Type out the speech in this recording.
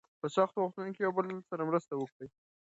په سختو وختونو کې یو بل سره مرسته وکړئ.